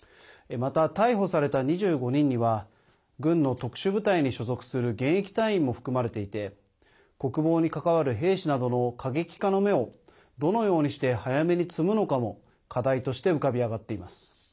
また、逮捕された２５人には軍の特殊部隊に所属する現役隊員も含まれていて国防に関わる兵士などの過激化の芽をどのようにして早めに摘むのかも課題として浮かび上がっています。